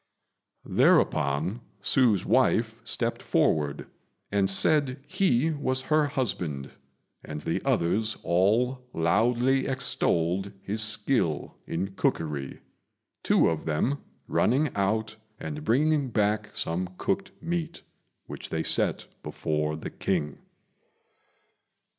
Thereupon Hsü's wife stepped forward and said he was her husband, and the others all loudly extolled his skill in cookery, two of them running out and bringing back some cooked meat, which they set before the King.